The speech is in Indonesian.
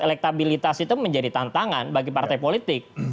elektabilitas itu menjadi tantangan bagi partai politik